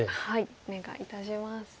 お願いいたします。